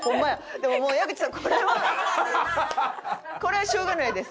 でももう矢口さんこれはこれはしょうがないです。